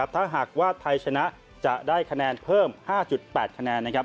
ถ้าหากว่าไทยชนะจะได้คะแนนเพิ่ม๕๘คะแนนนะครับ